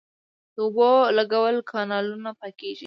د اوبو لګولو کانالونه پاکیږي